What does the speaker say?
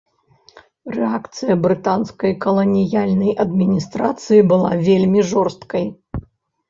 Рэакцыя брытанскай каланіяльнай адміністрацыі была вельмі жорсткай.